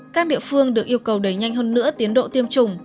các địa phương được yêu cầu đẩy nhanh hơn nữa tiến độ tiêm chủng